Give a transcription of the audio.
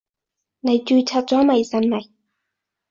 你註冊咗微信未？